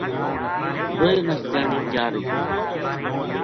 دوئے ماشٹریانی جا رہی